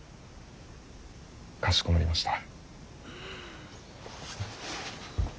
かしこまりました。